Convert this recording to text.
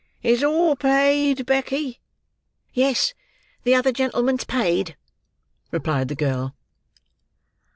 "Is all paid, Becky?" "Yes, the other gentleman's paid," replied the girl.